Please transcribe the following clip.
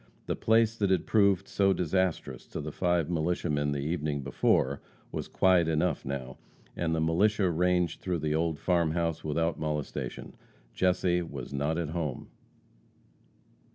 The place that had proved so disastrous to the five militiamen the evening before, was quiet enough now, and the militia ranged through the old farm house without molestation. Jesse was not at home!